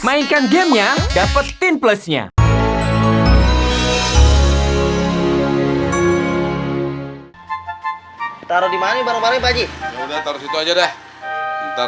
mainkan gamenya dapetin plusnya